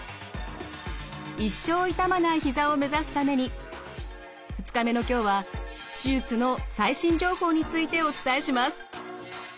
一生痛まないひざを目指すために２日目の今日は手術の最新情報についてお伝えします。